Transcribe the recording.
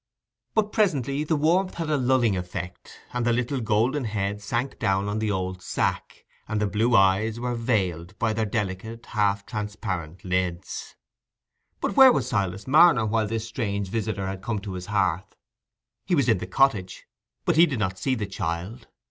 But presently the warmth had a lulling effect, and the little golden head sank down on the old sack, and the blue eyes were veiled by their delicate half transparent lids. But where was Silas Marner while this strange visitor had come to his hearth? He was in the cottage, but he did not see the child.